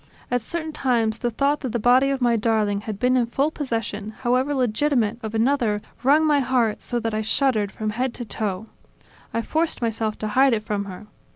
At certain times, the thought that the body of my darling had been in full possession, however legitimate, of another, wrung my heart so that I shuddered from head to toe. I forced myself to hide it from her.